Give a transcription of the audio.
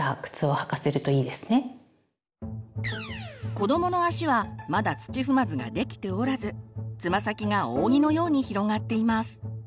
子どもの足はまだ土踏まずができておらずつま先が扇のように広がっています。